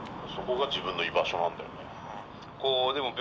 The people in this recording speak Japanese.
そこが自分の居場所なんだよね。